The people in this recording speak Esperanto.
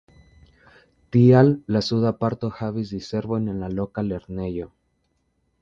Tial la suda parto havis diservojn en la loka lernejo.